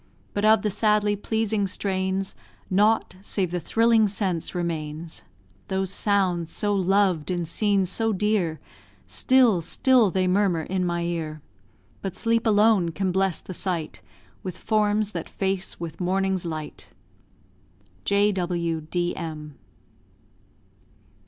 But of the sadly pleasing strains, Nought save the thrilling sense remains. Those sounds so loved in scenes so dear, Still still they murmur in my ear: But sleep alone can bless the sight With forms that face with morning's light. J.W.D.M.